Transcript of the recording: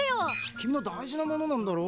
君の大事なものなんだろ？